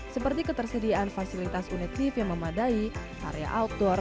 seperti ketersediaan fasilitas unit lift yang memadai area outdoor